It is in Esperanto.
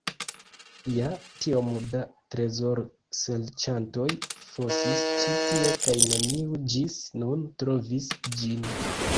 Ja, tiom da trezorserĉantoj fosis ci tie kaj neniu ĝis nun trovis ĝin.